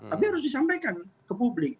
tapi harus disampaikan ke publik